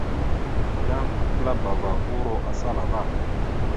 Yan apəlabava uro asala ava.